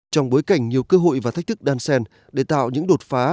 trong bối cảnh nhiều cơ hội và thách thức đan sen để tạo những đột phá